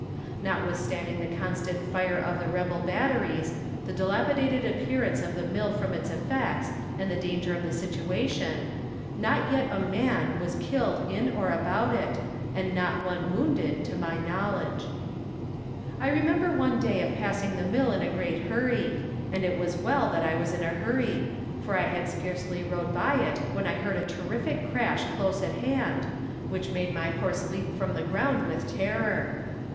Notwithstanding the constant fire of the rebel batteries, the dilapidated appearance of the mill from its effects, and the danger of the situation, yet not a man was killed in or about it, and not one wounded, to my knowledge. I remember one day of passing the mill in a great hurry and it was well that I was in a hurry, for I had scarcely rode by it when I heard a terrific crash close at hand, which made my horse leap from the ground with terror.